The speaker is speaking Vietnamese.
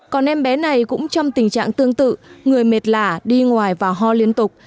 còn em bé này cũng trong tình trạng tương tự người mệt lả đi ngoài và ho liên tục